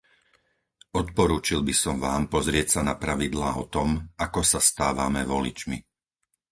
Odporučil by som vám pozrieť sa na pravidlá o tom, ako sa stávame voličmi.